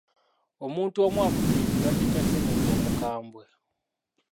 Omuntu omu afudde ekirwadde kya ssenyiga omukambwe.